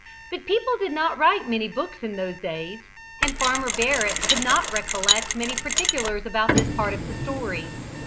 But people did not write many books in those days, and Farmer Barrett could not recollect many particulars about this part of his story.